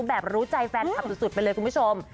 รู้ใจแฟนคลับสุดไปเลยคุณผู้ชม